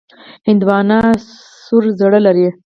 هندوانه سور زړه لري.